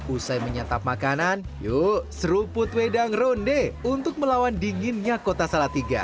usai menyantap makanan yuk seruput wedang ronde untuk melawan dinginnya kota salatiga